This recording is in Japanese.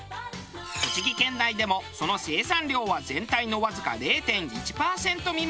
栃木県内でもその生産量は全体のわずか０．１パーセント未満。